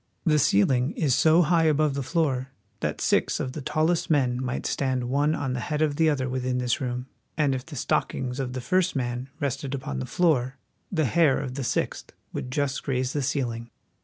The ceiling is so high above the floor that six of the tallest men might stand one on the head of the other within this room, and if the stockings of the first man rested upon the floor the hair of the sixth would just graze the ceiling.